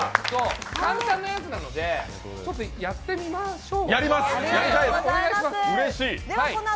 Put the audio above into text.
簡単なやつなのでやってみましょう。